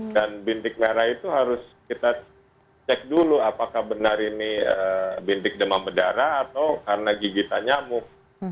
bintik merah itu harus kita cek dulu apakah benar ini bintik demam berdarah atau karena gigitan nyamuk